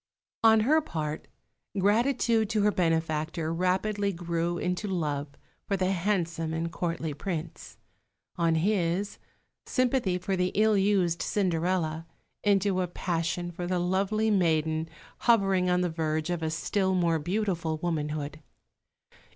On her part, gratitude to her benefactor rapidly grew into love for the handsome and courtly Prince; on his, sympathy for the ill used Cinderella, into a passion for the lovely maiden hovering on the verge of a still more beautiful womanhood.